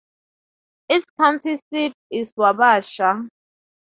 Its county seat is Wabasha.